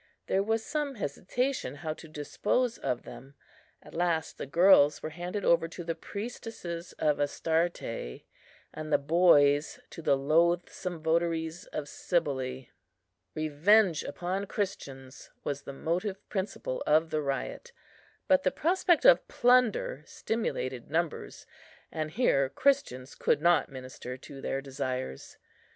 There was some hesitation how to dispose of them; at last the girls were handed over to the priestesses of Astarte, and the boys to the loathsome votaries of Cybele. Revenge upon Christians was the motive principle of the riot; but the prospect of plunder stimulated numbers, and here Christians could not minister to their desires.